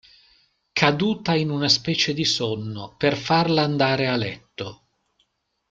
Caduta in una specie di sonno, per farla andare a letto.